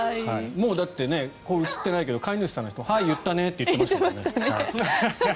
もうだって、映ってないけど飼い主さんの人はい、言ったねって言ってましたよね。